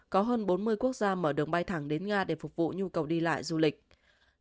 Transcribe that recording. có hơn bốn mươi quốc gia mở đường bay thẳng đến nga để phục vụ nhu cầu đi lại du lịch